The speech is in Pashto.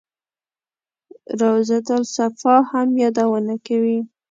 روضته الصفا هم یادونه کوي.